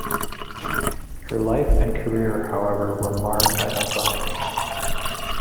Her life and career, however, were marred by alcoholism.